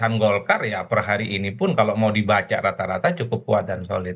karena perolehan golkar ya perhari ini pun kalau mau dibaca rata rata cukup kuat dan solid